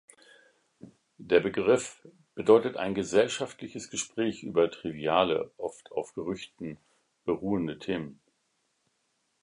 Der Begriff bedeutet ein gesellschaftliches Gespräch über triviale, oft auf Gerüchten beruhende Themen.